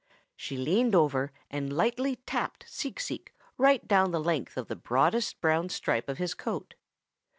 "She leaned over and lightly tapped Seek Seek right down the length of the broadest brown stripe of his coat.